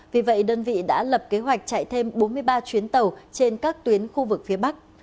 vì vậy đơn vị đã lập kế hoạch chạy thêm bốn mươi ba chuyến tàu trên các tuyến khu vực phía bắc